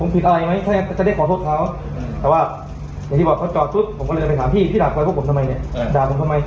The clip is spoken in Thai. ค่ะ